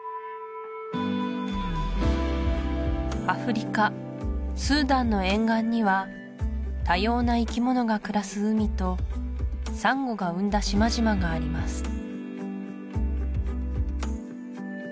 アフリカスーダンの沿岸には多様な生き物が暮らす海とサンゴが生んだ島々があります